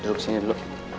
duduk sini dulu